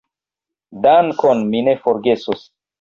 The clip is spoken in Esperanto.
Dankon, mi ne forgesos.